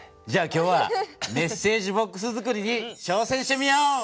じゃあ今日はメッセージボックスづくりにちょうせんしてみよう！